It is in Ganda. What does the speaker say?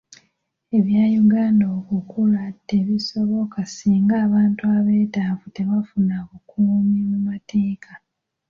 Ebya Uganda okukula tebisoboka singa abantu abeetaavu tebafuna bukuumi mu mateeka.